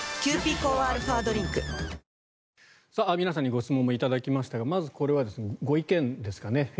皆さんにご質問もいただきましたがまず、これはご意見ですかね。